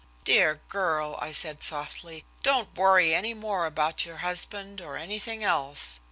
"Dear girl," I said softly, "don't worry any more about your husband or anything else.